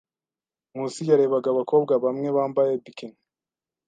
Nkusi yarebaga abakobwa bamwe bambaye bikini.